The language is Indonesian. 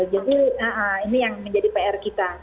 jadi ini yang menjadi pr kita